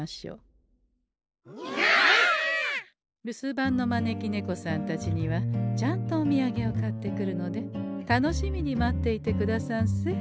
留守番の招き猫さんたちにはちゃんとおみやげを買ってくるので楽しみに待っていてくださんせ。